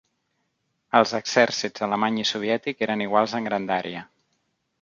Els exèrcits alemany i soviètic eren iguals en grandària.